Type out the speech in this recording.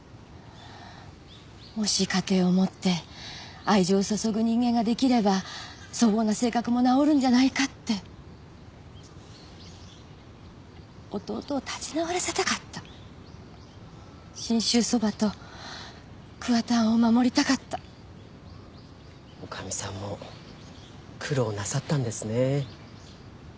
もし家庭を持って愛情を注ぐ人間ができれば粗暴な性格も直るんじゃないかって弟を立ち直らせたかった信州そばと桑田庵を守りたかった女将さんも苦労なさったんですね